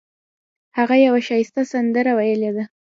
هغه یوه ښایسته سندره ویلې ده